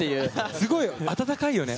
すごい温かいよね。